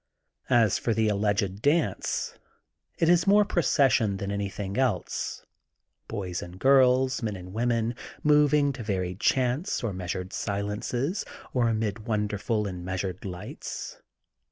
As for 187 188 THE GOLDEN BOOK OF SPRINGFIELD the alleged dance, it is more procession than anything else: boys and girls, men and women, moving to varied chants or meas ured silences or amid wonderful and meas ured lights.